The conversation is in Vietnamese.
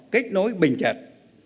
kết nối bình chặt